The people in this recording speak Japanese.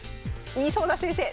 言いそうな先生。